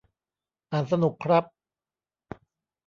อ่านสนุกครับ